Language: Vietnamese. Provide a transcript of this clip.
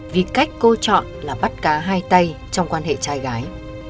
vì cách cô chọn là bắt cá hai tay trong quan hệ trai gái